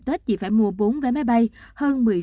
tết chị phải mua bốn vé máy bay hơn